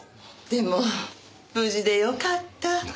でも無事でよかった。